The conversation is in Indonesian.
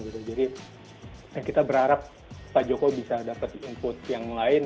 jadi kita berharap pak jokowi bisa dapat input yang lain